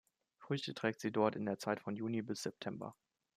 Früchte trägt sie dort in der Zeit von Juni bis September.